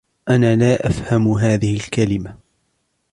أنا لا أفهم هذه الكلمة.